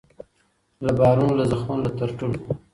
له بارونو له زخمونو له ترټلو